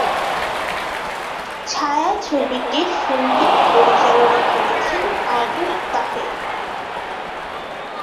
ছায়াছবিটির সঙ্গীত পরিচালনা করেছেন আবু তাহের।